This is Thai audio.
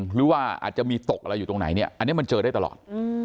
หรือว่าอาจจะมีตกอะไรอยู่ตรงไหนเนี่ยอันนี้มันเจอได้ตลอด